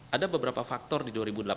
ada beberapa faktor di dua ribu delapan belas